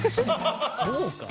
そうか？